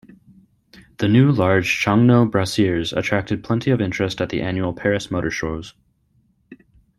The new large Chaigneau-Brasiers attracted plenty of interest at the annual Paris Motor Shows.